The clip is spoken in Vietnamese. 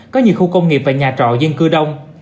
có nhiều khu công nghiệp và nhà trọ dân cư đông